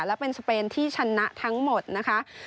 และเป็นสเปนที่ชนะทั้งหมดนะคะ